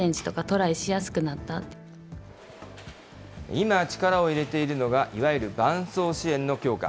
今、力を入れているのがいわゆる伴走支援の強化。